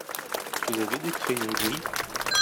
Vous avez des crayons gris ?